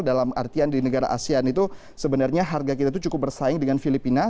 dalam artian di negara asean itu sebenarnya harga kita itu cukup bersaing dengan filipina